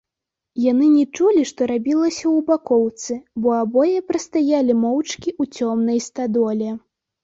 Яны не чулі, што рабілася ў бакоўцы, бо абое прастаялі моўчкі ў цёмнай стадоле.